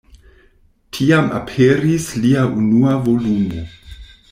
Tiam aperis lia unua volumo.